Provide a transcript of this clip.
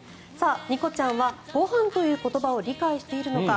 ニコちゃんはご飯という言葉を理解しているのか。